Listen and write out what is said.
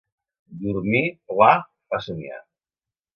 Dormir pla fa somniar.